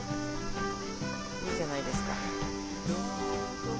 いいじゃないですか。